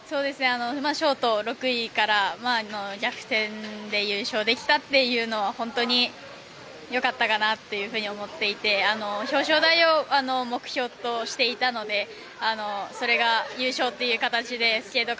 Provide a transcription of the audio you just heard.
ショート、６位から逆転で優勝できたというのは本当によかったかなっていうふうに思っていて表彰台を目標としていたのでそれが優勝という形でスケート